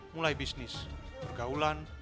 mulai bisnis bergaulan